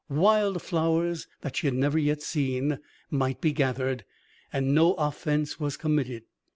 Wild flowers that she had never yet seen might be gathered, and no offense was committed.